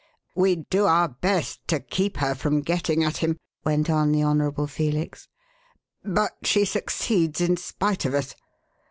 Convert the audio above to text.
"We do our best to keep her from getting at him," went on the Honourable Felix, "but she succeeds in spite of us.